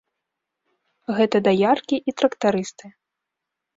Гэта даяркі і трактарысты.